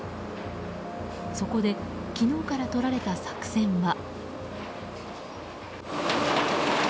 そこで昨日からとられた作戦は。